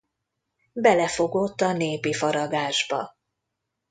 Belefogott a népi faragásba.